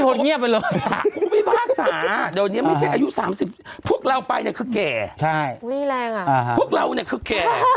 เป็นแบบพี่พศนั่นเหมือนที่กลับไปวันนี้พวกเราไปเนี่ยก็แก่